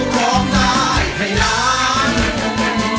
ถ้าร้องได้แบบนี้